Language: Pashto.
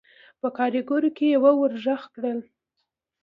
په کارېګرو کې يوه ور غږ کړل: